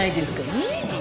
ねえ？